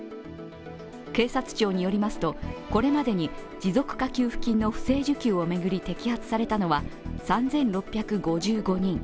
警察庁によりますと、これまでに持続化給付金の不正受給を巡り摘発されたのは、３６５５人。